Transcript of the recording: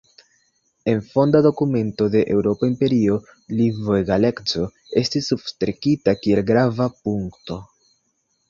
En fonda dokumento de Eŭropa Imperio lingvoegaleco estis substrekita kiel grava punkto.